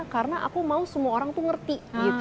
karena aku mau semua orang tuh ngerti